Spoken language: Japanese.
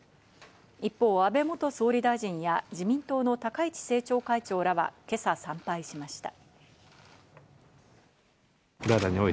一方、安倍元総理大臣や自民党の高市政調会長らは今朝参拝しました。